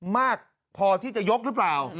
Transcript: มากพอที่จะยกหรือเปล่า